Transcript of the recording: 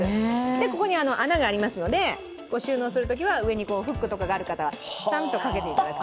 ここに穴がありますので収納するときは、上にフックがある方はスタッとかけていただくと。